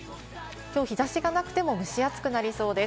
きょう日差しがなくても、蒸し暑くなりそうです。